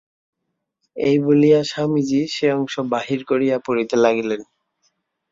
এই বলিয়া স্বামীজী সে অংশ বাহির করিয়া পড়িতে লাগিলেন।